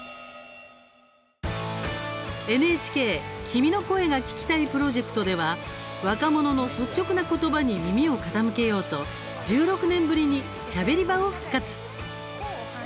ＮＨＫ君の声が聴きたいプロジェクトでは、若者の率直な言葉に耳を傾けようと１６年ぶりに「しゃべり場」を復活。